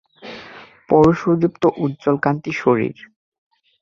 পৌরুষদীপ্ত উজ্জ্বল কান্তি শরীর।